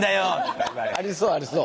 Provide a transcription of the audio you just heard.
ありそうありそう。